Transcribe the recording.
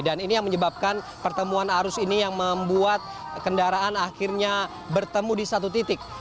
dan ini yang menyebabkan pertemuan arus ini yang membuat kendaraan akhirnya bertemu di satu titik